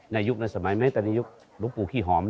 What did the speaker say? ในยุคนั้นสมัยไม่แต่ในยุคลุกปู่ขี้หอม